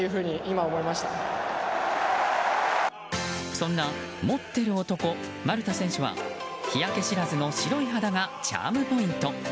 そんな持ってる男丸田選手は日焼けしらずの白い肌がチャームポイント。